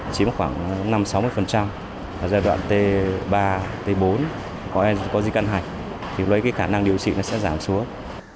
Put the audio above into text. chiếm khoảng năm sáu mươi ở giai đoạn t ba t bốn có di căn hạch thì với cái khả năng điều trị nó sẽ giảm xuống